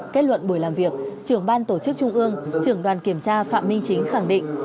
kết luận buổi làm việc trưởng ban tổ chức trung ương trưởng đoàn kiểm tra phạm minh chính khẳng định